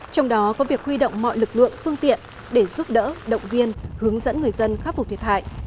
trong đó có việc huy động mọi lực lượng phương tiện để giúp đỡ động viên hướng dẫn người dân khắc phục thiệt hại